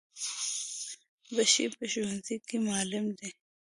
بشیر په ښونځی کی معلم دی.